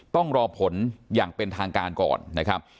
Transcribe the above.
ต้องรอผลอย่างเป็นทางการก่อนนะครับ